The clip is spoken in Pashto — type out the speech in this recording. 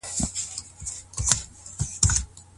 پر ميرمن باندي د خاوند کوم خپلوان حرام دي؟